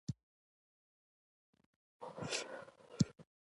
بریدمن وویل زه خپله عقیده پرې لرم.